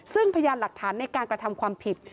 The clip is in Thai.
ซึ่งพยานหลักฐานในการกระทำความผิด